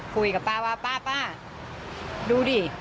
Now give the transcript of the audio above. คุยกับป้าว่าป้าดูดิ